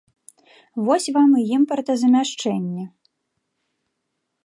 Вось вам і імпартазамяшчэнне!